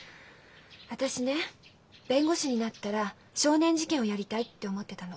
私ね弁護士になったら少年事件をやりたいって思ってたの。